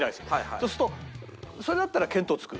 そうするとそれだったら見当つく？